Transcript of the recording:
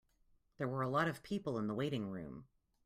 There were a lot of people in the waiting room.